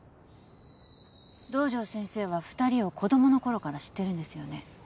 堂上先生は２人を子供のころから知ってるんですよね？